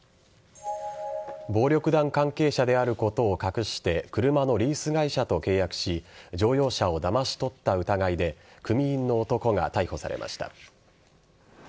暴力団関係者であることを隠して車のリース会社と契約し乗用車をだまし取った疑いで組員の男が逮捕されました。